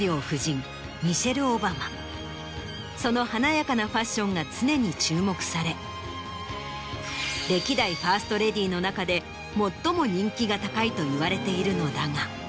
その華やかなファッションが常に注目され歴代ファーストレディの中で最も人気が高いといわれているのだが。